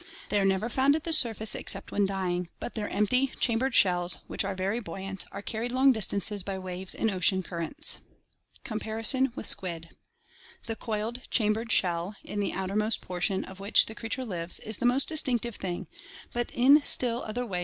They are never found at the surface except when dying, but their empty, chambered shells, which are very buoy ant, are carried long distances by waves and ocean currents. Comparison with Squid.— The coiled, chambered shell, in the outermost portion of • which the creature lives, is the most distinctive thing, but in Still Other ways the F"G.